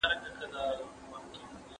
اوسنی نسل بايد د تېرو پېښو متن په دقت وګوري.